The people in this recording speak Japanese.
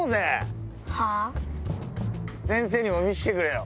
先生にも見してくれよ。